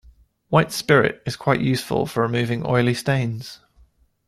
White spirit is quite useful for removing oily stains